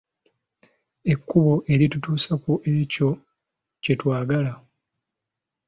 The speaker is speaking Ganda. Ekkubo eritutuusa ku ekyo kye twagala.